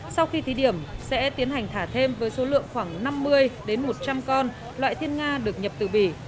sau khi thí điểm sẽ tiến hành thả thêm với số lượng khoảng năm mươi một trăm linh con loại thiên nga được nhập từ bỉ